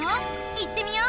行ってみよう！